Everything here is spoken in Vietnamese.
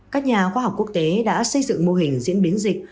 các nhà khoa học quốc tế đã xây dựng mô hình diễn biến dịch